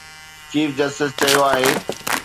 Chief justice چيو آهي.